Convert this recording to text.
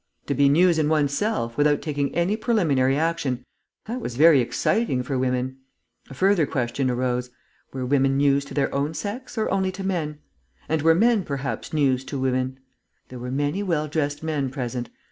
To be News in oneself, without taking any preliminary action that was very exciting for women. A further question arose: were women News to their own sex, or only to men? And were men perhaps News to women? "There were many well dressed men present."